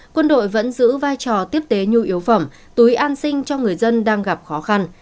quân đội vẫn giữ vai trò tiếp tế nhu yếu phẩm túi an sinh cho người dân đang gặp khó khăn